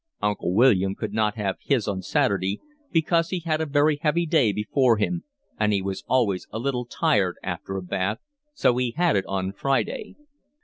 Uncle William could not have his on Saturday, because he had a heavy day before him and he was always a little tired after a bath, so he had it on Friday.